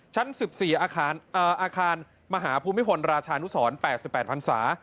ชั้น๑๔อาคารมหาภูมิพลราชานุสร๘๘พันศา